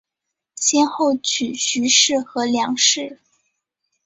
先后娶徐氏和梁氏。